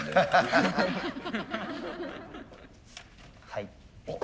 はい。